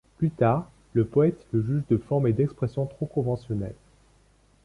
Plus tard, le poète le juge de forme et d’expression trop conventionnelles.